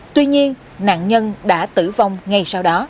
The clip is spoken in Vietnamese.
tuy nhiên nạn nhân đã tử vong ngay